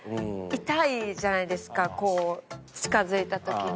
痛いじゃないですかこう近づいた時に。